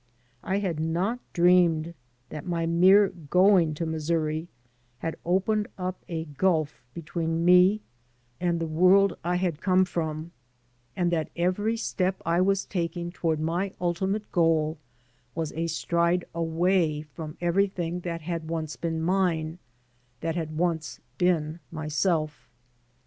I had not dreamed that my mere going to Missouri had opened up a gulf between me and the world I had come 258 THE ROMANCE OF READJUSTMENT from, and that every step I was taking toward my ultimate goal was a stride away from everything that had once been mine, that had once been myself.